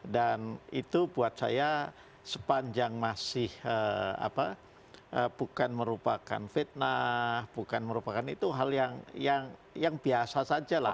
dan itu buat saya sepanjang masih bukan merupakan fitnah bukan merupakan itu hal yang biasa saja lah